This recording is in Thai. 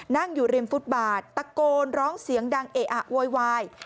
นั่งอยู่ริมฟุตบาทตะโกนร้องเสียงดังเอะอะโวยวาย